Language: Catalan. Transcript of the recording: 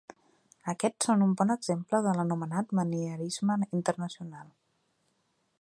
Aquests són un bon exemple de l'anomenat manierisme internacional.